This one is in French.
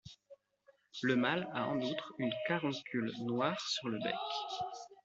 Le mâle a en outre une caroncule noire sur le bec.